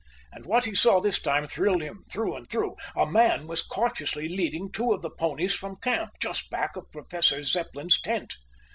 And what he saw this time thrilled him through and through. A man was cautiously leading two of the ponies from camp, just back of Professor Zepplin's tent.